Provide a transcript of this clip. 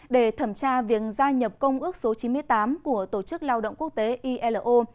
để thẩm tra việc gia nhập công ước số chín mươi tám của tổ chức lao động quốc tế ilo